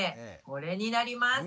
これになります。